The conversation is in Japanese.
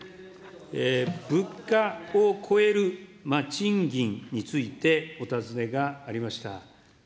物価を超える賃金についてお尋ねがありました。